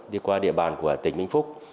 đi qua địa bàn của tỉnh bình phúc